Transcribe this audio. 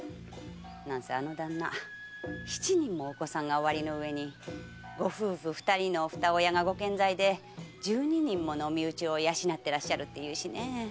あの旦那は七人もお子さんがおありなのにご夫婦二人の二親がご健在で十二人のお身内を養ってらして。